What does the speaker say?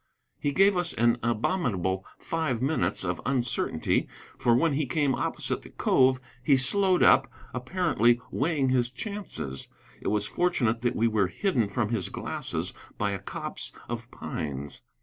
He gave us an abominable five minutes of uncertainty. For when he came opposite the cove he slowed up, apparently weighing his chances. It was fortunate that we were hidden from his glasses by a copse of pines.